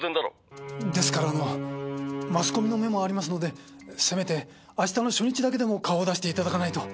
ですからあのマスコミの目もありますのでせめて明日の初日だけでも顔を出していただかないと。